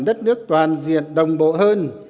đất nước toàn diện đồng bộ hơn